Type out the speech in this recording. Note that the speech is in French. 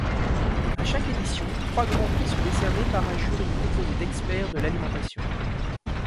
À chaque édition, trois grands-prix sont décernés par un jury composé d’experts de l’alimentation.